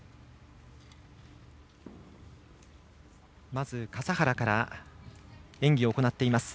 まず笠原から演技を行います。